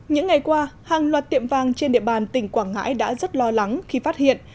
những ngày qua hàng loạt tiệm vàng trên địa bàn tỉnh quảng ngãi đã rất lo lắng khi phát hiện